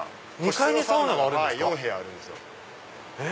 個室のサウナが４部屋あるんです。